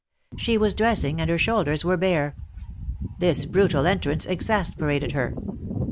She was dressing, and her shoulders were bare. This brutal entrance ex asperated her.